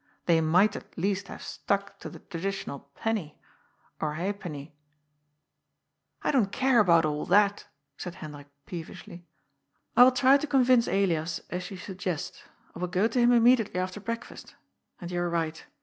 They might at least have stuck to the traditional penny, or halfpenny "^' I don't care about all that," said Hendrik peevishly. " I will try to convince Elias, as you suggest. I will go to him immediately after breakfast. And you are right.